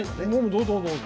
どうぞどうぞ。